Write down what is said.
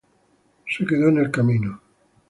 Se quedó en el camino.